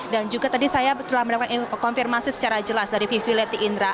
dan juga tadi saya telah menemukan konfirmasi secara jelas dari vivi leti indra